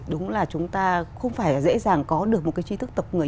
đúng là chúng ta không phải dễ dàng có được một cái chi thức tộc người